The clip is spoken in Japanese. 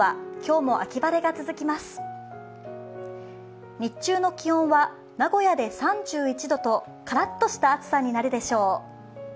日中の気温は名古屋で３１度とからっとした暑さになるでしょう。